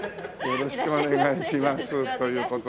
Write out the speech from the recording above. よろしくお願いします。